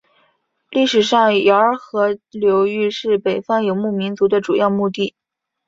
历史上洮儿河流域是北方游牧民族的主要牧地。